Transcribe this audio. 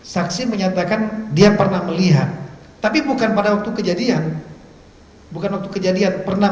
saksi menyatakan dia pernah melihat tapi bukan pada waktu kejadian bukan waktu kejadian pernah